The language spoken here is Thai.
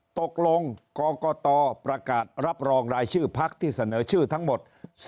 กรกตประกาศรับรองรายชื่อพักที่เสนอชื่อทั้งหมด